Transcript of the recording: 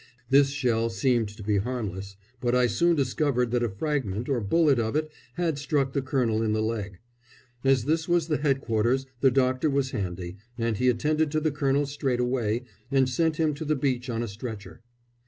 This shell seemed to be harmless; but I soon discovered that a fragment or bullet of it had struck the colonel in the leg. As this was the headquarters the doctor was handy, and he attended to the colonel straight away, and sent him to the beach on a stretcher.